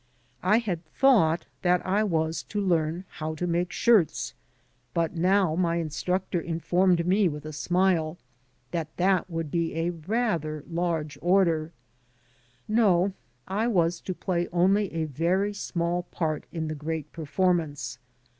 I had thought that I was to learn how to make shirts; but 141 AN AMERICAN IN THE MAKING now my instructor informed me with a smile that that would be a rather large order. No, I was to play only a very small part in the great performance.